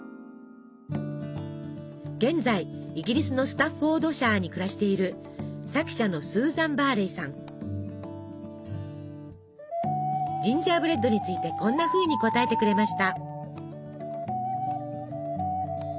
現在イギリスのスタッフォードシャーに暮らしているジンジャーブレッドについてこんなふうに答えてくれました。